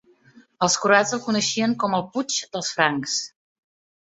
Els croats el coneixien com el "Puig dels Francs".